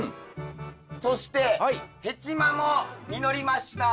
そしてヘチマも実りました！